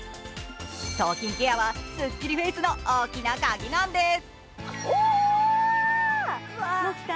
頭筋ケアはすっきりフェイスの大きなカギなんです。